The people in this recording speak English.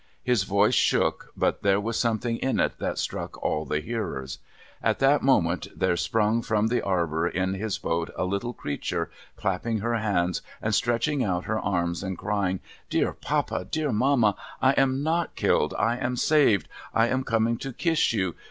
His voice shook ; but there was something in it that struck all the hearers. At that moment there sprung from the arbour in his boat a little creature, clapping her hands and stretching out her arms, and crying, ' Dear papa ! Dear mamma ! I am not killed. I am saved. I am coming to kiss you.